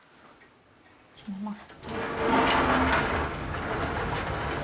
閉めます。